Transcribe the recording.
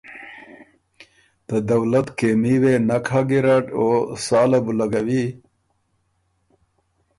ته دولت کېمي وې نک هۀ ګیرډ او ساله بُو لګوي